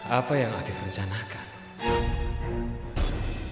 apa yang afif rencanakan